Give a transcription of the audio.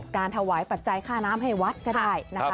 การถวายปัจจัยค่าน้ำให้วัดก็ได้นะคะ